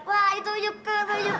wah itu yuka itu yuka